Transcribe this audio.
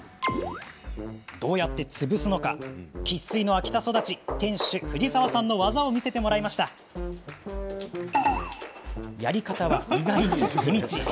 どうやって潰すのか生っ粋の秋田育ちの店主藤澤さんの技を見せてもらうとやり方は意外に地道。